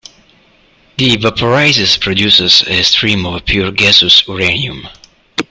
The vaporizer produces a stream of pure gaseous uranium.